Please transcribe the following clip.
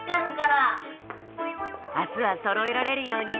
あすはそろえられるようにがんばって！